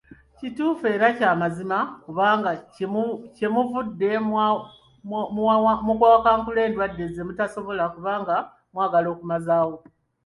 Kituufu era ky'amazima kubanga kyemuvudde muwakankula n'endwadde zemutasobola kubanga mwagala okumazaawo